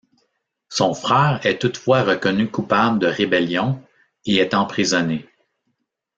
Son frère est toutefois reconnu coupable de rébellion et est emprisonné.